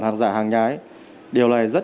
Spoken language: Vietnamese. hàng giả hàng nhái điều này rất